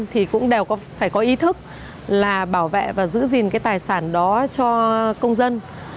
thì cũng đều có phải có ý thức là bảo vệ và giữ gìn cái tài sản đó cho công dân